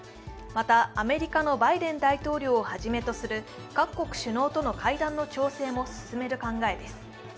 また、アメリカのバイデン大統領をはじめとする各国首脳との会談の調整も進める考えです。